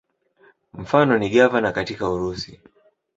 Mfano ni gavana katika Urusi.